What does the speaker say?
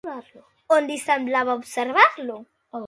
On li semblava observar-lo?